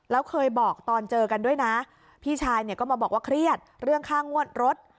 แล้วเคยบอกตอนเจอกันด้วยนะพี่ชายเนี่ยก็มาบอกว่าเครียดเรื่องค่างวดรถ